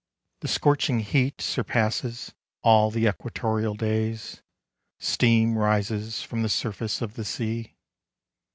The scorching heat Surpasses all the equatorial days : Steam rises from the surface of the sea.